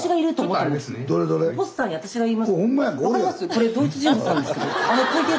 これ同一人物なんですけど。